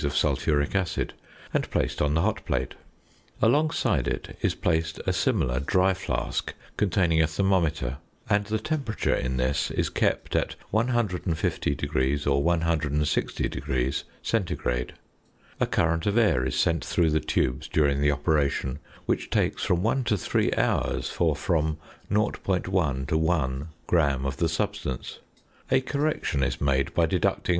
of sulphuric acid, and placed on the hot plate. Alongside it is placed a similar dry flask containing a thermometer, and the temperature in this is kept at 150° or 160° C. A current of air is sent through the tubes during the operation, which takes from one to three hours for from 0.1 to 1 gram of the substance. A correction is made by deducting 0.